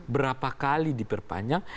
berapa kali diperpanjang